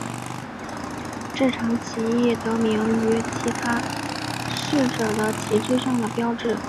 这场起义得名于其起事者的旗帜上的标志。